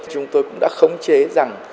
chúng tôi cũng đã khống chế rằng